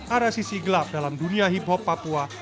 ada sisi gelap dalam dunia hiphop papua